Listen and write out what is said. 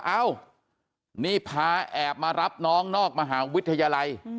เอ้านี่พาแอบมารับน้องนอกมหาวิทยาลัย